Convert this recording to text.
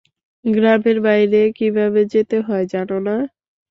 গ্রামের বাইরে কিভাবে যেতে হয় জানো না?